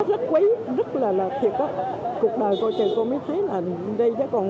rất quấy rất là thiệt đó cuộc đời coi trời không biết thế là đây chắc còn rất thiệt công